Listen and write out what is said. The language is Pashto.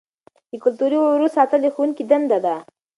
د کلتوري غرور ساتل د ښوونکي دنده ده.